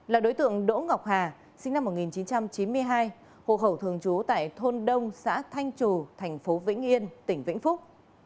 là đối tượng đỗ ngọc hà sinh năm một nghìn chín trăm chín mươi hai hộ khẩu thường trú tại thôn đông xã thanh trù thành phố vĩnh yên tỉnh vĩnh phúc